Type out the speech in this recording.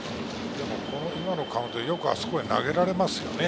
でも今のカウントでよくあそこに投げられますね。